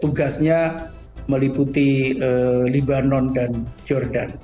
tugasnya meliputi libanon dan jordan